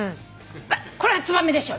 これはツバメでしょ。